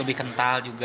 lebih kental juga